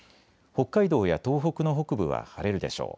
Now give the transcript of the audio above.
北海道や東北の北部は晴れるでしょう。